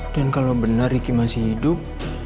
dan kalau benar ricky masih hidup